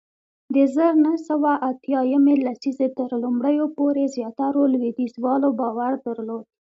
د زر نه سوه اتیا یمې لسیزې تر لومړیو پورې زیاترو لوېدیځوالو باور درلود